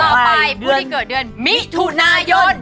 ต่อไปพูดที่เกิดเดือนมิถุนายน